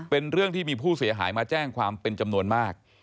เป็นเรื่องที่มีผู้เสียหายมาแจ้งความเป็นจำนวนมาก